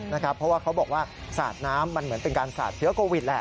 เพราะว่าเขาบอกว่าสาดน้ำมันเหมือนเป็นการสาดเชื้อโควิดแหละ